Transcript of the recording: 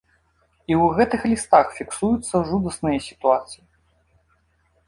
І ў гэтых лістах фіксуюцца жудасныя сітуацыі.